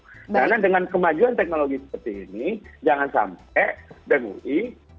karena dengan kemajuan teknologi seperti ini jangan sampai bem ui tidak bisa melakukan hal lain